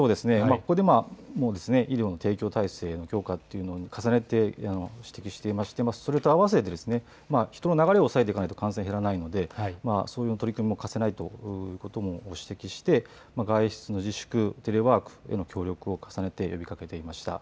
これもですね、医療の提供体制の強化というものも重ねて指摘していまして、それと併せてですね、人の流れを抑えていかないと感染減らないんで、それの取り組みも課さないとということを、指摘して、外出の自粛、テレワークへの協力を重ねて呼びかけていました。